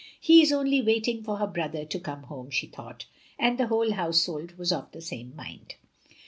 "He is only waiting for her brother to come home," she thought; and the whole household was of the same mind.